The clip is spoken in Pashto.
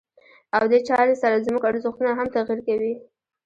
او دې چارې سره زموږ ارزښتونه هم تغيير کوي.